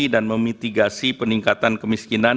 dan memitigasi peningkatan kemiskinan